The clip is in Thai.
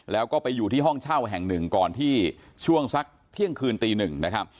แล้วก็ไปอยู่ที่ห้องเช่าแห่งหนึ่งก่อนที่ช่วงสักเที่ยงคืนตีหนึ่งนะครับ